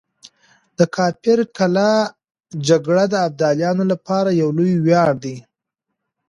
د کافر قلعه جګړه د ابدالیانو لپاره يو لوی وياړ دی.